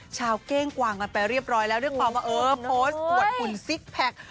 เก้งกวางกันไปเรียบร้อยแล้วด้วยความว่าเออโพสต์อวดหุ่นซิกแพค